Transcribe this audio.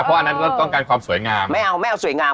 เพราะอันนั้นก็ต้องการความสวยงามไม่เอาไม่เอาสวยงาม